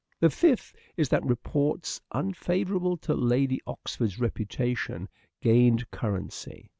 The fifth is that reports un favourable to Lady Oxford's reputation gained cur rency.